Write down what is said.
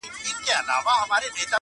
o ښځي ته د زړه حال مه وايه!